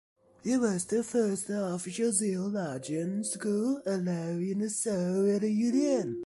It was the first official theologian school allowed in the Soviet Union.